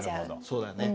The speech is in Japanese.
そうだよね。